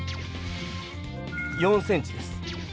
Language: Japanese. ４ｃｍです。